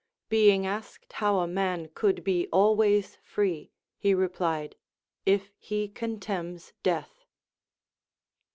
Being asked how a man could be always free, he replied, If he contemns death.